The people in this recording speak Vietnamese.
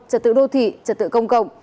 trật tự đô thị trật tự công cộng